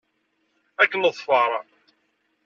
Ad k-neḍfer.